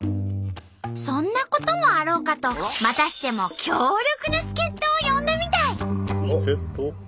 そんなこともあろうかとまたしても強力な助っ人を呼んだみたい！